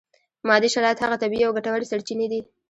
مادي شرایط هغه طبیعي او ګټورې سرچینې دي.